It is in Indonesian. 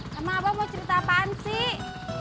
sama abang mau cerita apaan sih